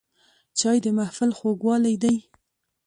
چای د محفل خوږوالی دی